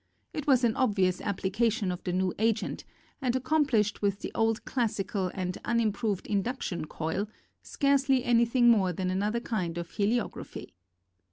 It was an obvious application of the new agent and accomplished with the old classi cal and unimproved induction coil — scarcely anything more than another kind of heli ography.